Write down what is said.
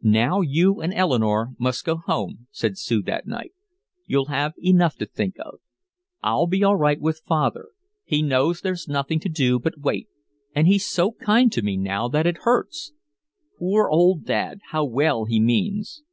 "Now you and Eleanore must go home," said Sue that night. "You'll have enough to think of. I'll be all right with father he knows there's nothing to do but wait, and he's so kind to me now that it hurts. Poor old Dad how well he means.